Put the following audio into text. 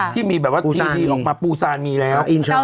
ที่มีตีอื่นออกมาปูซานมีแล้ว